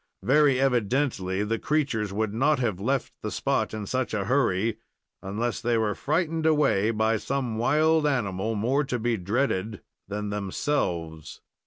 Very evidently the creatures would not have left the spot in such a hurry unless they were frightened away by some wild animal more to be dreaded than themselves.